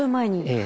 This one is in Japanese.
ええ。